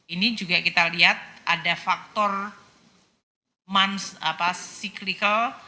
ini juga kita lihat ada faktor cyclical